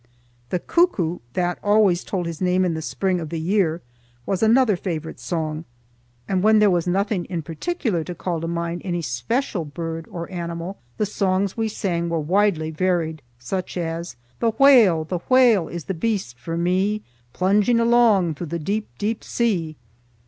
"The Cuckoo," that always told his name in the spring of the year, was another favorite song, and when there was nothing in particular to call to mind any special bird or animal, the songs we sang were widely varied, such as "The whale, the whale is the beast for me, Plunging along through the deep, deep sea."